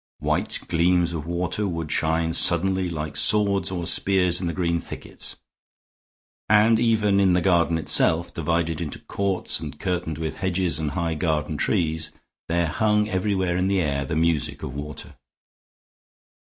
White gleams of water would shine suddenly like swords or spears in the green thickets. And even in the garden itself, divided into courts and curtained with hedges and high garden trees, there hung everywhere in the air the music of water.